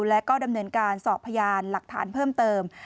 และก็ดำเนินการสอบพยานหลักฐานเพิ่มเติม